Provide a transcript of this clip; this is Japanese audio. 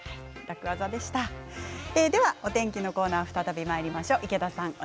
お天気コーナーに再びまいりましょう。